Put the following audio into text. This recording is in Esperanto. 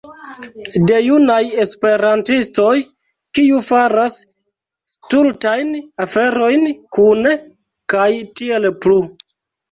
De junaj Esperantistoj kiu faras stultajn aferojn kune kaj tiel plu